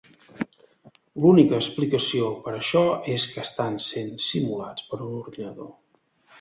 L'única explicació per a això és que estan sent simulats per un ordinador.